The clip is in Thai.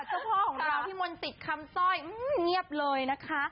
เจ้าพ่อของเราพี่มนต์ติดคำสร้อยเงียบเลยนะคะ